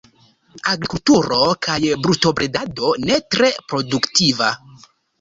Agrikulturo kaj brutobredado, ne tre produktiva.